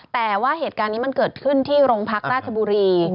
แต่ว่าเหตุการณ์นี้มันเกิดขึ้นที่โรงพักราชบุรี